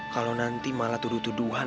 kalau nanti malah tuduh tuduhan